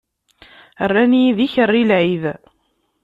Rran-iyi d ikerri n lɛid!